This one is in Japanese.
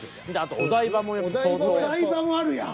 「お台場」もあるやん。